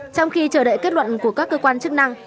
trong khi chờ đợi kết luận của các cơ quan chức năng